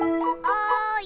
おい！